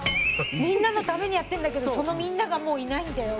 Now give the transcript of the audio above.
みんなのためにやってるんだけどそのみんながもういないんだよ。